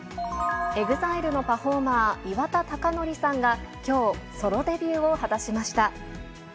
ＥＸＩＬＥのパフォーマー、岩田剛典さんがきょう、ソロデビューを果たしました。